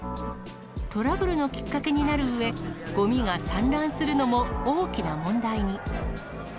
トラブルのきっかけになるうえ、ごみが散乱するのも大きな問題に。